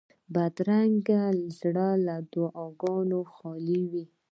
بدرنګه زړه له دعاوو خالي وي